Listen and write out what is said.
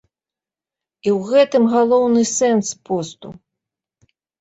І ў гэтым галоўны сэнс посту.